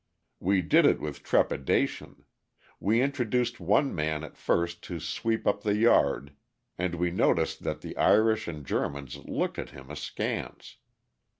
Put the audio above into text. We did it with trepidation. We introduced one man at first to sweep up the yard, and we noticed the Irish and Germans looked at him askance.